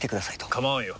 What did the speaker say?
構わんよ。